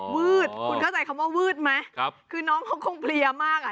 มืดคุณเข้าใจคำว่าวืดไหมครับคือน้องเขาคงเพลียมากอ่ะ